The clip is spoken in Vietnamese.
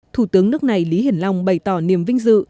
thủ tướng nước này lý hiển long bày tỏ niềm vinh dự